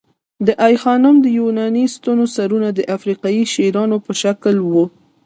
د آی خانم د یوناني ستونو سرونه د افریقايي شیرانو په شکل وو